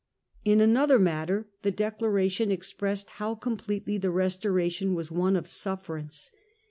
In another matter the Declaration expressed how completely the Restoration was one of sufferance.